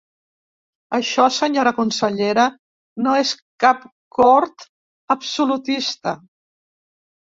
Això, senyora consellera no és cap cort absolutista.